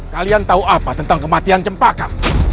kalian tahu apa tentang kematian cempaka